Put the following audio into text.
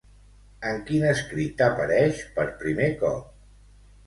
En quin escrit apareix per primer cop?